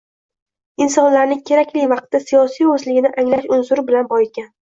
insonlarni kerakli vaqtda siyosiy o‘zligini anglash unsuri bilan boyitgan